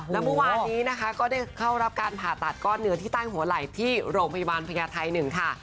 แล้วเมื่อวานนี้นะคะก็ได้เข้ารับการผ่าตัดก้อนเนื้อที่ใต้หัวไหล่ที่โรงพยาบาลพญาไทย๑ค่ะ